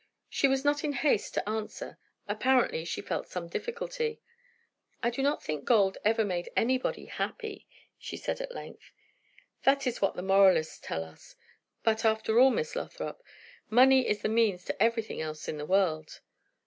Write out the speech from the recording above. She was not in haste to answer; apparently she felt some difficulty. "I do not think gold ever made anybody happy," she said at length. "That is what moralists tell us. But, after all, Miss Lothrop, money is the means to everything else in this world."